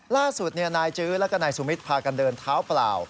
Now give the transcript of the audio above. ล่าสุดนายจื้อแล้วก็นายสุมิตรพากันเดินเท้าเปล่า